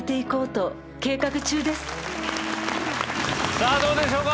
さあどうでしょうか？